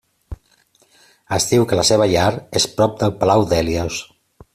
Es diu que la seva llar és prop del Palau d'Hèlios.